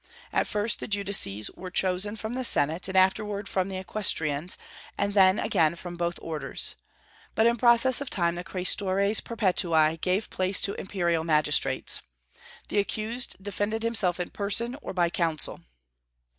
At first the judices were chosen from the senate, and afterward from the equestrians, and then again from both orders. But in process of time the quaestores perpetui gave place to imperial magistrates. The accused defended himself in person or by counsel.